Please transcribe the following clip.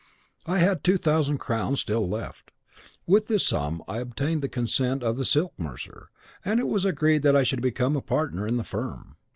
I had two thousand crowns still left; with this sum I obtained the consent of the silk mercer, and it was agreed that I should become a partner in the firm.